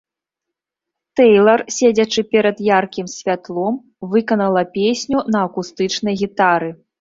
Тэйлар, седзячы перад яркім святлом, выканала песню на акустычнай гітары.